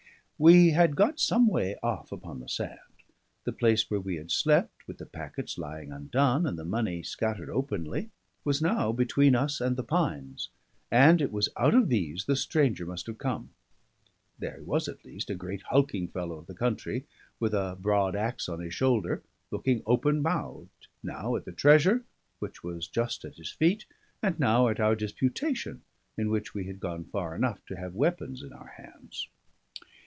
We had got some way off upon the sand. The place where we had slept, with the packets lying undone and the money scattered openly, was now between us and the pines; and it was out of these the stranger must have come. There he was at least, a great hulking fellow of the country, with a broad axe on his shoulder, looking open mouthed, now at the treasure, which was just at his feet, and now at our disputation, in which we had gone far enough to have weapons in our hands.